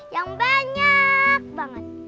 yang banyak banget